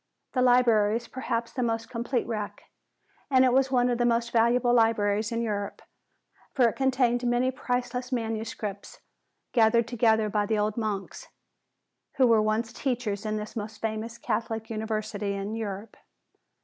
The Library is perhaps the most complete wreck, and it was one of the most valuable libraries in Europe. For it contained many priceless manuscripts gathered together by the old monks, who were once teachers in this most famous Catholic university in Europe.